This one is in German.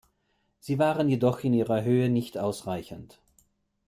Sie waren jedoch in ihrer Höhe nicht ausreichend.